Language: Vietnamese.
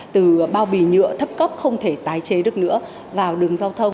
từ bao bì nhựa thấp cấp không thể tái chế được nữa vào đường giao thông